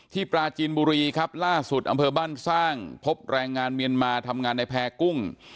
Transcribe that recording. ปราจีนบุรีครับล่าสุดอำเภอบ้านสร้างพบแรงงานเมียนมาทำงานในแพร่กุ้ง